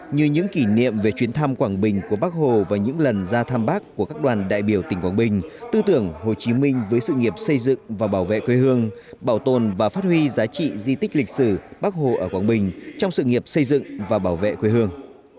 như những kỷ niệm về chuyến thăm quảng bình của bắc hồ và những lần ra thăm bác của các đoàn đại biểu tỉnh quảng bình tư tưởng hồ chí minh với sự nghiệp xây dựng và bảo vệ quê hương bảo tồn và phát huy giá trị di tích lịch sử bắc hồ ở quảng bình trong sự nghiệp xây dựng và bảo vệ quê hương